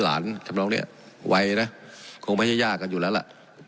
หลานทำลองเนี้ยไวนะคงไม่ใช่ยากกันอยู่แล้วล่ะ